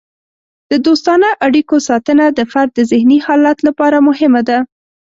د دوستانه اړیکو ساتنه د فرد د ذهني حالت لپاره مهمه ده.